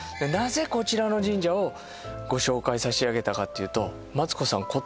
なぜこちらの神社をご紹介差し上げたかっていうとマツコさん